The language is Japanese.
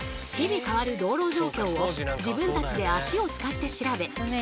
日々変わる道路状況を自分たちで足を使って調べ